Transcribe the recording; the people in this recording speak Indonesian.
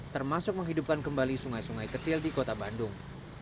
termasuk menghidupkan kembali sungai sungai kecil di kota bandung